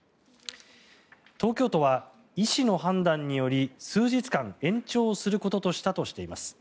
東京都は、医師の判断により数日間延長することととしたとしています。